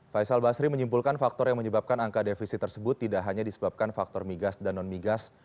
faisal basri menyimpulkan faktor yang menyebabkan angka defisit tersebut tidak hanya disebabkan faktor migas dan non migas